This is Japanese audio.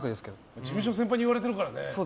事務所の先輩に言われてるからね。